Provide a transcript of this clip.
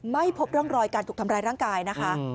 ไม่พบร่องรอยการถูกทำร้ายร่างกายนะคะ